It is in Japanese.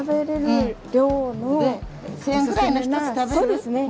そうですね。